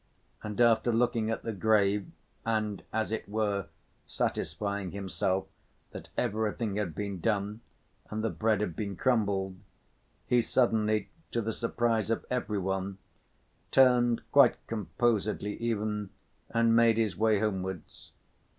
And after looking at the grave, and as it were, satisfying himself that everything had been done and the bread had been crumbled, he suddenly, to the surprise of every one, turned, quite composedly even, and made his way homewards.